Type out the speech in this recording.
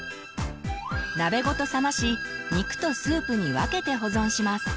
鍋ごと冷まし肉とスープに分けて保存します。